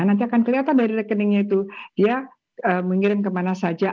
nanti akan kelihatan dari rekeningnya itu dia mengirim kemana saja